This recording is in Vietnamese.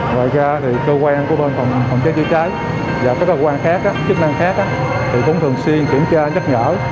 ngoài ra thì cơ quan của bên phòng cháy chữa cháy và các cơ quan khác chức năng khác thì cũng thường xuyên kiểm tra nhắc nhở